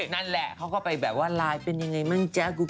นั้นแหละตายจนไปแบบว่าไลน์เป็นยังไงมากจะ